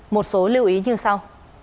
một số lưu ý như sau